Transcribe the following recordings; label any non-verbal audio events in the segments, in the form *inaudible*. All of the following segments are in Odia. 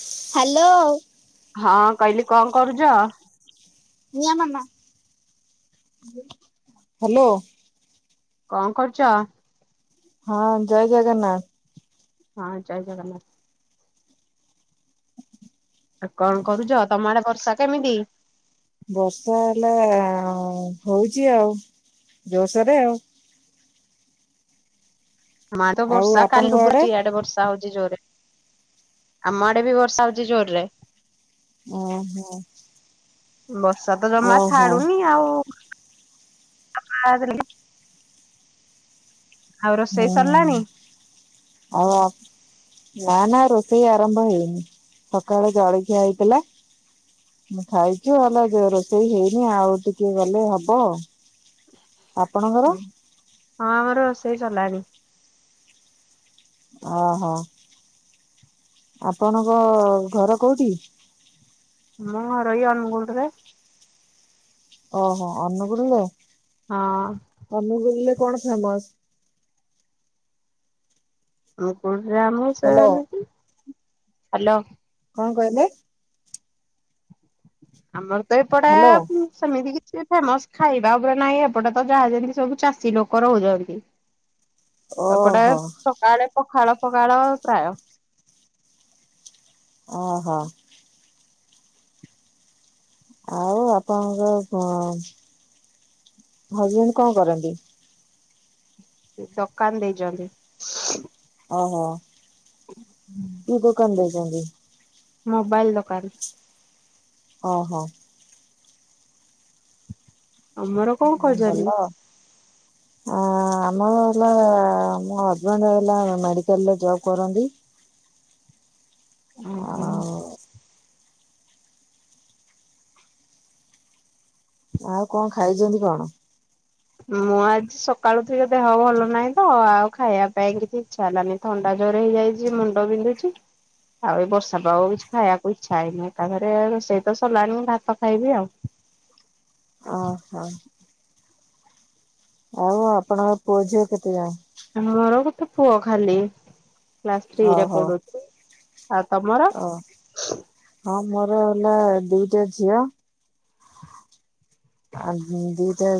ହ୍ୟାଲୋ। ହଁ କହିଲି କଣ କରୁଚ? ନିଅ ମାମା ହ୍ୟାଲୋ। କଣ କରୁଛ? ହଁ ଜୟ ଜଗନ୍ନାଥ। ହଁ ଜୟ ଜଗନ୍ନାଥ। ଆଉ କଣ କରୁଛ ତମ ଆଡ଼େ ବର୍ଷା କେମିତି? ବର୍ଷା ହେଲା ହଉଚି ଆଉ ଜୋସରେ ଆଉ। *unintelligible* ଆଉ ସା ଆପଣଙ୍କ ଆଡେ ହଉଛି ଜୋରରେ ଆମ ଆଡ଼େ ବି ବର୍ଷା ହଉଛି ଜୋରରେ। ଓହୋ। ବର୍ଷା ତ ଜମା ଓହୋ ଛାଡ଼ୁନି ଆଉ *unintelligible* ଆଉ ରୋଷେଇ ହୁଁ ସରିଲାଣି? ଆଉ ଆ ନା ନା ରୋଷେଇ ଆରମ୍ଭ ହେଇନି ସକାଳେ ଜଳଖିଆ ହେଇଥିଲା। ମୁଁ ଖାଇଛୁ ଆମେ ଯୋଉ ରୋଷେଇ ହେଇନି ଆଉ ଟିକେ ଗଲେ ହବ। ଆପଣଙ୍କର? ହୁଁ ହଁ ଆମର ରୋଷେଇ ସରଲାଣି। ଓହୋ ଆପଣଙ୍କ ଘର କୋଉଠି? ମୋ ଘର ଏଇ ଅନୁଗୁଟରେ। ଓହୋ ଅନୁଗୁଳରେ। ହଁ। ଅନୁଗୁଳରେ କଣ ଫେମସ? ମୁ କୋଠ ଆମ ସେଇଆ ହ୍ୟାଲୋ ହ୍ୟାଲୋ। କଣ କହିଲେ? ଆମର ତ ଏପଟେ ହ୍ୟାଲୋ ସେମିତି କିଛି ଫେମସ ଖାଇବା ଉପରେ ନାହିଁ ଏପଟେ ତ ଯାହା ଯେମିତି ସବୁ ଚାଷୀ ଲୋକ ରହୁଛନ୍ତି। ଏପଟେ ଓହୋ। ସକାଳେ ପଖାଳ ଫଖାଳ ପ୍ରାୟ। ଓହୋ। ଆଉ ଆପଣଙ୍କ ହଜବେଣ୍ଡ କଣ କରନ୍ତି? ଦୋକାନ ଦେଇଛନ୍ତି। ଓ ହୋ କି ଦୋକାନ ଦେଇଛନ୍ତି? ମୋବାଇଲ ଦୋକାନ। ଓହୋ। ଆମର କଣ ହ ଭଲ କରୁଛନ୍ତି? ଅଁ ଆମର ହେଲା ମୋ ହଜବେଣ୍ଡ ହେଲା ମେଡିକାଲରେ ଜବ କରନ୍ତି। ଓ ହୁଁ। ଆଉ ଆଉ କଣ ଖାଇଛନ୍ତି କଣ? ମୁଁ ଆଜି ସକାଳୁ ଟିକେ ଦେହ ଭଲ ନାହିଁ ତ ଆଉ ଖାଇବା ପାଇଁ କିଛି ଇଚ୍ଛା ହେଲାନି। ଥଣ୍ଡା ଜୋରେ ହେଇଯାଇଛି ଯେ ମୁଣ୍ଡ ବିନ୍ଧୁଛି। ଆଉ ଏଇ ବର୍ଷା ପାଗ କୁ ଆଉ କିଛି ଖାଇବାକୁ ଇଚ୍ଛା ହେଇନି ତାଥରେ ରୋଷେଇ ତ ସରିଲାଣି ମୁଁ ଭାତ ଖାଇବି ଆଉ। ଓ ହୋ। ଆଉ ଆପଣଙ୍କ ପୁଅ ଝିଅ କେତେ ଜଣ? ମୋର ଗୋଟେ ପୁଅ ଖାଲି। କ୍ଲାସ ଥ୍ରୀରେ ଓହୋ ପୁଢୁଛି ଆଉ ତମର। ଓ ହଁ ମୋର ହେଲା ଦୁଇଟା ଝିଅ। ଆଉ ଦିଟା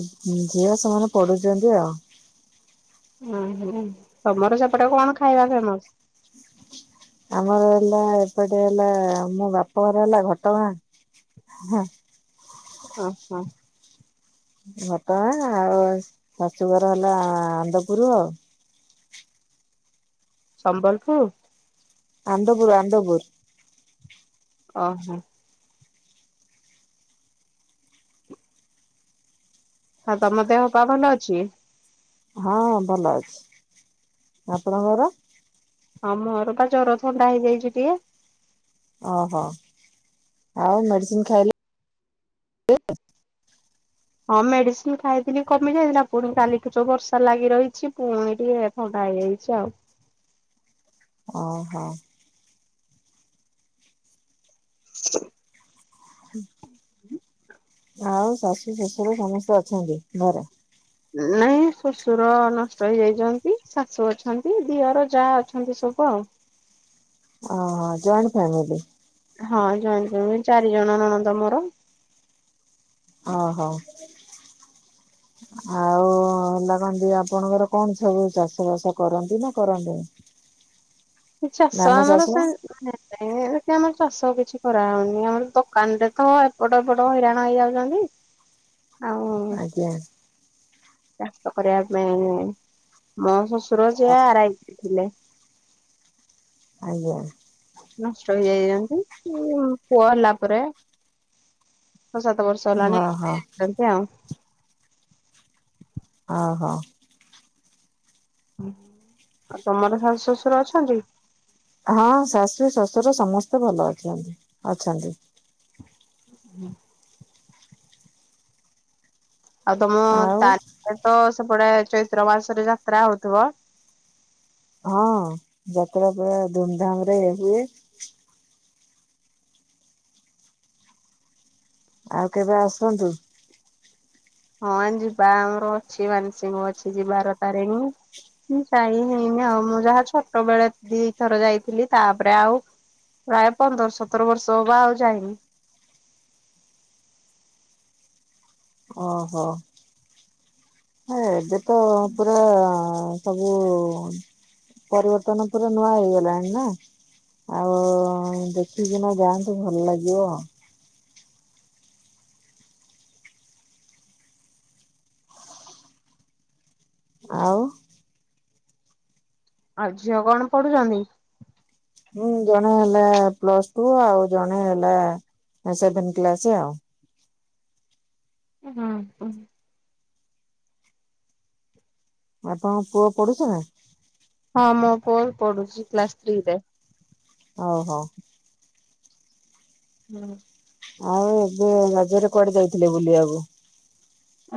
ଝିଅ ସେମାନେ ପଢୁଛନ୍ତି ଆଉ। ଉଁ ହୁଁ ତମର ସେପଟେ କଣ ଖାଇବା ଫେମସ? ଆମର ହେଲା ଏପଟେ ହେଲା ମୋ ବାପଘର ହେଲା ଘଟଗାଁ। ଓହୋ। ଘଟଗାଁ ଆଉ ଶାଶୁଘର ହେଲା ଆନ୍ଦପୁର ଆଉ। ସମ୍ବଲପୁର। ଆନ୍ଦପୁର ଆନ୍ଦପୁର। ଓହୋ। ହଁ ତମ ଦେହ ପା ଭଲ ଅଛି। ହଁ ଭଲ ଅଛି ଆପଣଙ୍କର। ହଁ ମୋର ପା ଜର ଥଣ୍ଡା ହେଇଯାଇଛି ଟିକେ। ଓହୋ ଆଉ ମେଡିସିନ ଖାଇଲେ। ହଁ ମେଡିସିନ ଖାଇଥିଲି କମି ଯାଇଥିଲା ପୁଣି କାଲି ଠୁ ଯୋଉ ବର୍ଷା ଲାଗି ରହିଛି ପୁଣି ଟିକେ ଥଣ୍ଡା ହେଇଯାଇଛି ଆଉ। ଓହୋ। *inaudible* ଆଉ ଶାଶୁ ଶଶୁର ସମସ୍ତେ ଅଛନ୍ତି ଘରେ। ନାଇଁ ଶଶୁର ନଷ୍ଟ ହେଇଯାଇଛନ୍ତି ଶାଶୁ ଅଛନ୍ତି ଦିଅର ଯା ଅଛନ୍ତି ସବୁ ଆଉ। ଓହୋ ଜଏଣ୍ଟ ଫ୍ୟାମିଲି। ହଁ ଜଏଣ୍ଟ ଫ୍ୟାମିଲି ଚାରି ଜଣ ନଣନ୍ଦ ମୋର। ଓହୋ। *inaudible* ଆଉ ହେଲା କନ୍ତି ଆପଣଙ୍କର କଣ ସବୁ ଚାଷ ବାସ କରନ୍ତି ନା କରନ୍ତିନି। ଚାଷ ଆମର ସେମିତି ଏ ଆମର ଚାଷ କିଛି କରାହଉନି ଆମର ଦୋକାନ ରେ ତ ଏପଟ ଏପଟ ହଇରାଣ ହେଇଯାଉଚନ୍ତି। ଆଉ। ଆଜ୍ଞା। ଚାଷ କରିବା ପାଇଁ, ମୋ ଶ୍ୱଶୁର ଯିଏ ଆର ଆଇ ଥିଲେ। ଆଜ୍ଞା। ନଷ୍ଟ ହେଇଯାଇଚନ୍ତି ପୁଅ ହେଲା ପରେ। ଛଅ ସାତ ବର୍ଷ ହେଲାଣି ନଷ୍ଟ ଓହୋ ହେଇଯାଇଚନ୍ତି ଆଉ। ଅହୋ। ଆଉ ତମର ଶାଶୁ ଶଶୁର ଅଛନ୍ତି? ହଁ ଶାଶୁ ଶ୍ୱଶୁର ସମସ୍ତେ ଭଲ ଅଛନ୍ତି-ଅଛନ୍ତି। ଆଉ ତମ ଆଉ *unintelligible* ତ ସେପଟେ ଚୈତ୍ର ମାସରେ ଯାତ୍ରା ହଉଥିବ? ହଁ। ଯାତ୍ରା ପୁରା ଧୁମ୍ଧାମ୍ରେ ହୁଏ। ଆଉ କେବେ ଆସନ୍ତୁ। ହଁ ଯିବା ଆମର ଅଛି ମାନସିକ ଅଛି ଯିବାର ତାରେଣୀ। ମୁଁ ଯାଇ ହେଇନି ଆଉ ମୁଁ ଯାହା ଛୋଟ ବେଳେ ଦିଥର ଯାଇଥିଲି ତାପରେ ଆଉ ପ୍ରାୟ ପନ୍ଦର ସତର ବର୍ଷ ହେବ ଆଉ ଯାଇନି। ଓହୋ ଏବେ ତ ପୁରା ସବୁ ପରିବର୍ତ୍ତନ ପୁରା ନୂଆ ହେଇଗଲାଣି ନା। ଆଉ ଦେଖିକିନା ଯାଆନ୍ତୁ ଭଲ୍ ଲାଗିବ। ଆଉ ଆଉ ଝିଅ କଣ ପଢୁଛନ୍ତି? ହୁଁ ଜଣେ ହେଲା ପ୍ଲସଟୁ ଆଉ ଜଣେ ହେଲା ସେଭେନ୍ କ୍ଲାସ୍ ଆଉ। ହୁଁ। ଆପଣଙ୍କ ପୁଅ ପଢୁଛି ନା? ହଁ ମୋ ପୁଅ ପଢୁଛି କ୍ଲାସ୍ ଥ୍ରୀ ରେ। ଓହୋ। ହୁଁ। ଆଉ ଏବେ ରଜରେ କୁଆଡେ ଯାଇଥିଲେ ବୁଲିବାକୁ?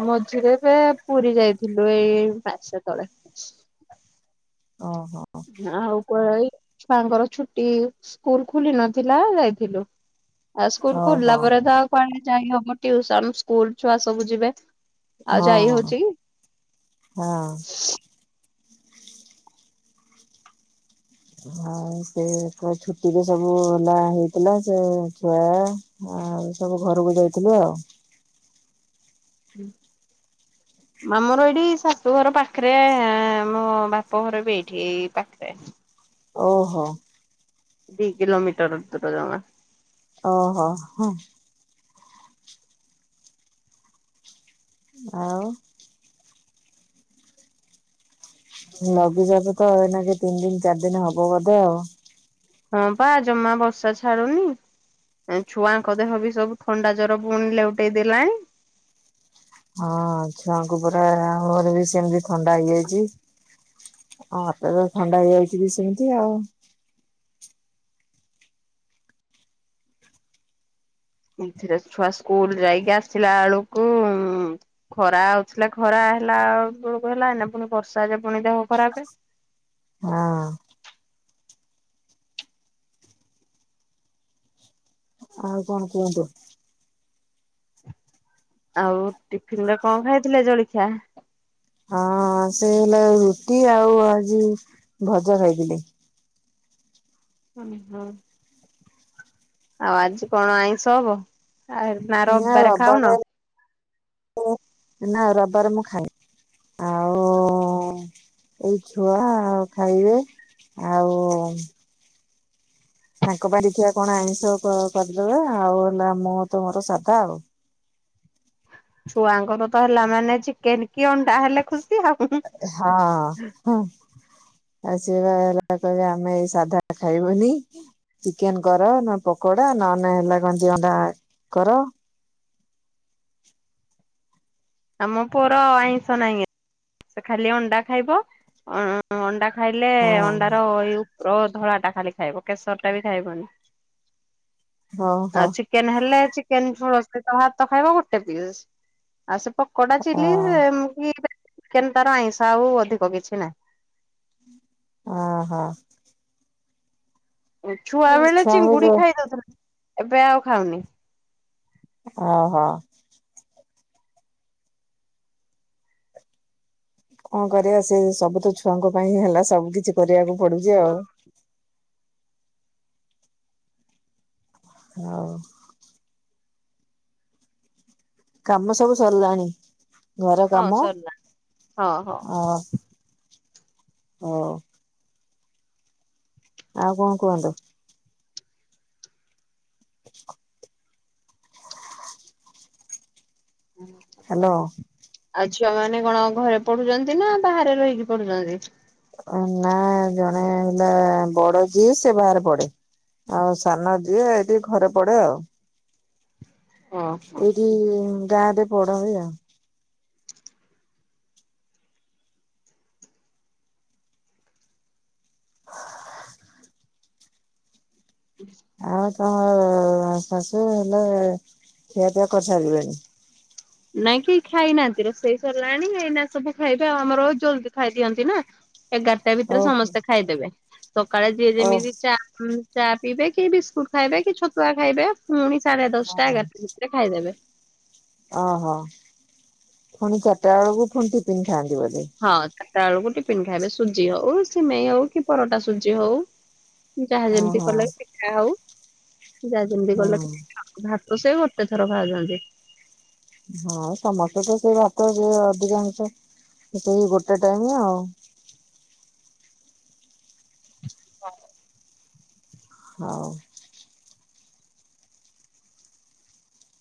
ମଝିରେ ଏବେ ପୁରୀ ଯାଇଥିଲୁ ଏଇ ମାସେ ତଳେ। ଓହୋ। ଆଉ *unintelligible* ଛୁଆଙ୍କର ଛୁଟି ସ୍କୁଲ୍ ଖୋଲି ନଥିଲା ଯାଇଥିଲୁ। ଆଉ ସ୍କୁଲ୍ ଖୋଲିଲା ଓହୋ ପରେ ତ ଆଉ କୁଆଡେ ଯାଇ ହବ ଟିଉସନ୍ ସ୍କୁଲ୍ ଛୁଆ ସବୁ ଯିବେ। ଆଉ ଯାଇ ହଁ ହଉଚି କି? ହଁ। ହଁ ସେ ଛୁଟିରେ ସବୁ ହେଲା ହେଇଥିଲା ସେ ଛୁଆ ଆଉ ସବୁ ଘରକୁ ଯାଇଥିଲୁ ଆଉ। ମା ମୋର ଏଇଠି ଶାଶୁଘର ପାଖେରେ ମୋ ବାପଘର ବି ଏଇଠି ଏଇ ପା ଖେରେ। ଓହୋ। ଦି କିିଲୋମିଟର ଦୂର ଯମା। ଓହୋ ହଁ। ଆଉ ଲଘୁଚାପ ତ ଏନାଗି ତିନି ଦିନ ଚାରି ଦିନ ହବ ବୋଧେ ଆଉ। ହଁ ବା ଜମା ବର୍ଷା ଛାଡୁନି। ଛୁଆଙ୍କ ଦେହ ବି ସବୁ ଥଣ୍ଡା ଜର ପୁଣି ଲେଉଟେଇ ଦେଲାଣି। ହଁ ଛୁଆଙ୍କୁ ପୁରା ଆମର ବି ସେମିତି ଥଣ୍ଡା ହେଇଯାଇଚି। ମତେ ବି ଥଣ୍ଡା ହେଇଯାଇଚି ବି ସେମିତି ଆଉ। ଏଥିରେ ଛୁଆ ସ୍କୁଲ୍ ଯାଇକି ଆସିଲା ଵେଳୁକୁ ଖରା ଆଉଥିଲା ଖରା ହେଲା ବେଳକୁ ହେଲା ଏଇନା ପୁଣି ବର୍ଷା ଯେ ପୁଣି ଦେହ ଖରାପେ। ହଁ। ଆଉ କଣ କୁହନ୍ତୁ? ଆଉ ଟିଫିନ ରେ କଣ ଖାଇଥିଲେ ଜଳଖିଆ? ହଁ ସେ ହେଲା ରୁଟି ଆଉ ଆଜି ଭଜା ଖାଇଥିଲି। ହଁ ହଁ। ଆଉ ଆଜି କଣ ଆଇଁଷ ହବ? ଆ ନା ରବିବାର ରେ ନା ରବିବାର ମୁଁ ଖାଏନି। *inaudible* ଏଇ ଛୁଆ ଖାଇବେ। ଆଉ-ଉ-ଉ-ଉ ତାଙ୍କ ପାଇଁ ଦେଖିଆ କଣ ଆଇଁଷ କ କରିଦେବା। ଆଉ ହେଲା ମୋତ ମୋର ସାଧା ଆଉ। ଛୁଆଙ୍କର ତ ହେଲା ମାନେ ଚିକେନ କି ଅଣ୍ଡା ହେଲେ ଖୁସି ଆଉ। ହଁ-ଅ-ଅ ହଁ। ଆଉ ସିଏ ବା *unintelligible* କହିବେ ଆମେ ଏଇ ସାଧା ଖାଇବୁନି। ଚିକେନ କର, ନ ପକୋଡା ନଲେ ଏନା କଣ ଯେ ଅଣ୍ଡା କର। ଆମ ପୁଅର ଆଇଷ ନାହିଁ ଏ ସେ ଖାଲି ଅଣ୍ଡା ଖାଇବ। ଅ-ଅ-ଅ ଅଣ୍ଡା ଖାଇଲେ ହଁ ଅଣ୍ଡାର ଇଏ ର ଧଳା ଟା ଖାଲି ଖାଇବ। କେଶର ଟା ବି ଖାଇବନି। ହଁ ହଁ ଆଉ ଚି କେନ ହେଲେ ଚିକେନ ଝୋଳ ଭାତ ସହିତ ଭାତ ଖାଇବ ଗୋଟେ ପିସ୍। ଆଉ ସେ ପକୋଡା ଅ ଚିଲି-ଇ-ଇ କି ଚିକେନ ତାର ଆଇଁଷ ଆଉ ଅଧିକ କିଛି ନାହିଁ। ଓ ହୋ। ଛୁଆ ବେଳେ ଛୁଆଙ୍କୁ ଚିଙ୍ଗୁଡି ଯୋଉ ଖାଇଦଉଥିଲା। ଏବେ ଆଉ ଖାଉନି। ଓହୋ। କଣ କରିବା ସେ ସବୁ ତ ଛୁଆଙ୍କ ପାଇଁ ହିଁ ହେଲା। ସବୁ କିଛି କରିବାକୁ ପଡୁଛି ଆଉ। ହଁ। ହଉ। କାମ ସବୁ ସରିଲାଣି। ଘର ହଁ କାମ ସରିଲା ହଁ ହଁ। ଅ ହଁ। ଆଉ କଣ କୁହନ୍ତୁ? *inaudible* ହୁଁ। ହ୍ୟାଲୋ। ଆଉ ଝିଅ ମାନେ କଣ ଘରେ ପଢୁଛନ୍ତି ନା ବାହାରେ ରହିକି ପଢୁଛନ୍ତି? ଅ ନା ଜଣେ ହେଲା ବଡ ଯିଏ ସେ ବାହାରେ ପଡେ। ଆଉ ସାନ ଯିଏ ଟିକେ ଘରେ ପଡେ ଆଉ। ଓହୋ। ଏଇଠି ଗାଁରେ ପଢା ହୁଏ ଆଉ। ହଁ। ଆଉ ସା ଉ-ଉ-ଉ ଶାଶୁ ହେଲେ ଖିଆପିଆ କରିସାରିବେଣି? ନାଇଁ କେହି ଖାଇନାହାନ୍ତି ରୋଷେଇ ସରିଲାଣି। ଏଇନା ସବୁ ଖାଇବେ ଆଉ ଆମର ଜଲଦି ଖାଇଦିଅନ୍ତି ନା। ଏଗାରଟା ଭିତରେ ଓହୋ ସମସ୍ତେ ଖାଇଦେବେ। ସକାଳେ ଯିଏ ଯେମିତି ଚା ଉମ୍ ଚା ପିଇବେ କି ବିସ୍କୁଟ ଖାଇବେ, କି ଛତୁଆ ଖାଇବେ ପୁଣି ସାଢେ ଦଶଟା ଓହୋ ଏଗାରଟା ଭିତରେ ଖାଇଦେବେ। ଓହୋ ପୁଣି ଚାରିଟା ବେଳକୁ ପୁଣି ଟିଫିନ ଖାଆନ୍ତି ବୋଧେ? ହଁ ଚାରିଟା ବେଳକୁ ଟିଫନ୍ ଖାଇବେ। ସୁଜି ହଉ। ସିମେଇ ହଉ କି ପରଟା ସୁଜି ହଉ। ଯାହା ଯେମିତି ଓହୋ କଲେ ପିଠା ହଉ ଯାହା ଯେମିତି ହଁ କଲେ ଭାତ ସେ ଗୋଟେ ଥର ଖାଉଛନ୍ତି। ହଁ ସମସ୍ତେ ତ ସେଇ ଭାତ ଅଧିକାଂଶ ସେଇ ଗୋଟେ ଟାଇମ୍ ଆଉ। ହ। ହଉ।